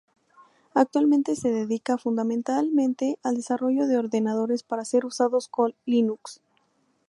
Actualmente se dedica fundamentalmente al desarrollo de ordenadores para ser usados con Linux.